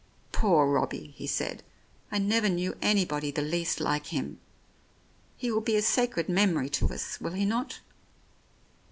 "Poor Robbie," he said. "I never knew anybody the least like him. He will be a sacred memory to us, will he not?